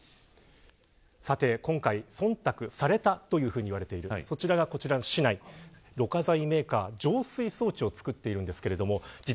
さて、今回忖度されたというふうに言われているそちらがこちらの市内のろ過材メーカーは浄水装置を作っています。